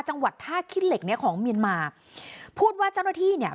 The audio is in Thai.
จังหวัดท่าขี้เหล็กเนี้ยของเมียนมาพูดว่าเจ้าหน้าที่เนี่ย